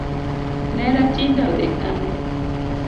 Nera tinde odhi Kanye?